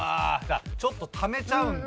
ちょっとためちゃうんだ